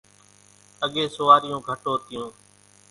اڳيَ سوواريون گھٽ هوتِيون۔